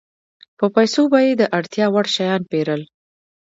په پیسو به یې د اړتیا وړ شیان پېرل